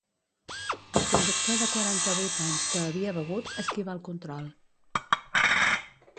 El conductor de quaranta-vuit anys que havia begut esquivà el control.